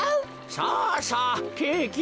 さあさあケーキ